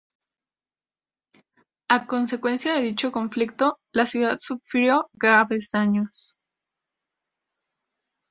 A consecuencia de dicho conflicto, la ciudad sufrió graves daños.